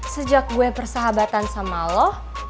sejak gue persahabatan sama lo